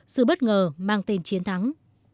sự bất ngờ mang tên chiến thắng